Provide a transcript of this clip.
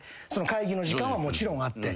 会議の時間はもちろんあって。